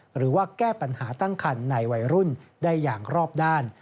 หรือว่าแก้ปัญหาตั้งคันในวัยรุ่นได้อย่างรอบด้าน